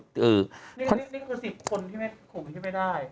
นี่คือ๑๐กลุ่มที่ไม่ได้